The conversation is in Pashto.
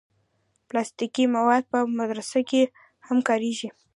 پلاستيکي مواد په مدرسه کې هم کارېږي.